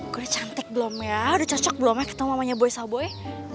gue udah cantik belum ya udah cocok belum ya ketemu mamanya boy sawboy